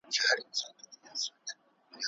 دليل او منطق پکار دی.